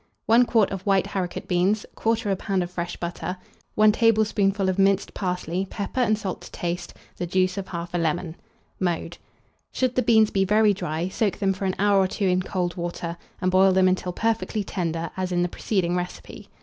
1 quart of white haricot beans, 1/4 lb. of fresh butter, 1 tablespoonful of minced parsley, pepper and salt to taste, the juice of 1/2 lemon. [Illustration: HARICOT BEANS.] Mode. Should the beans be very dry, soak them for an hour or two in cold water, and boil them until perfectly tender, as in the preceding recipe.